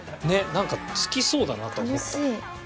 なんか好きそうだなとは思った。